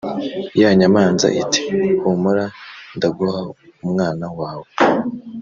ya nyamanza iti ‘humura ndaguha umwana wawe.’